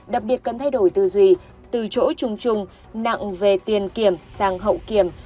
đặc biệt cần thay đổi tư duy từ chỗ trung trung nặng về tiền kiểm sang hậu kiểm